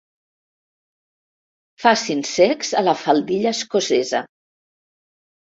Facin secs a la faldilla escocesa.